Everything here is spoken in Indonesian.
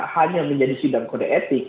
hanya menjadi sidang kode etik